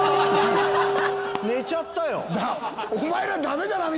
寝ちゃったよ。